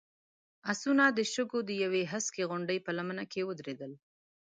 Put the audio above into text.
آسونه د شګو د يوې هسکې غونډۍ په لمنه کې ودرېدل.